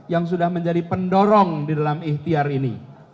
yang sudah menjadi pendorong di dalam ikhtiar ini